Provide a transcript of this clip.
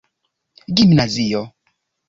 gimnazio